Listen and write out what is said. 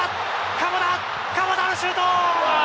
鎌田のシュート！